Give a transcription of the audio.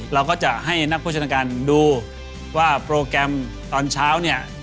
เราก็จะให้นักโภชนาการดูว่าโปรแกรมตอนเช้าเนี่ย